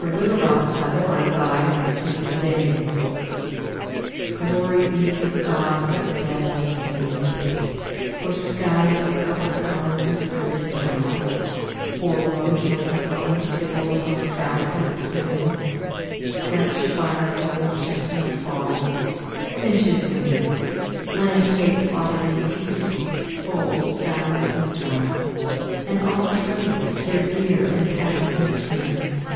Gerard Manley Hopkins Pied Beauty GLORY be to God for dappled things, For skies of couple color as a brinded cow, For rose moles all in stipple upon trout that swim; Fresh firecoal chestnut falls, finches' wings; Landscape plotted and pieced, fold, fallow and plough, And all trades, their gear and tackle and trim.